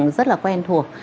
rất là quen thuộc